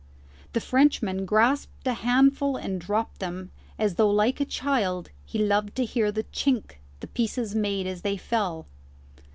The Frenchman grasped a handful and dropped them, as though, like a child, he loved to hear the chink the pieces made as they fell.